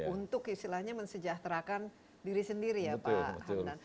untuk istilahnya mensejahterakan diri sendiri ya pak hamdan